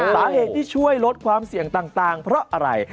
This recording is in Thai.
สาเหตุที่ช่วยลดความเสี่ยงต่างเพราะอะไร